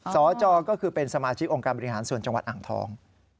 สจก็คือเป็นสมาชิกองค์การบริหารส่วนจังหวัดอ่างทอง